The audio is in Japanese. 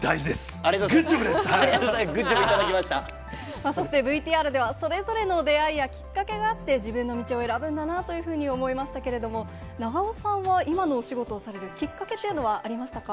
ありがとうございます、そしてＶＴＲでは、それぞれの出会いやきっかけがあって、自分の道を選ぶんだなというふうに思いましたけれども、長尾さんは今のお仕事をされるきっかけというのはありましたか。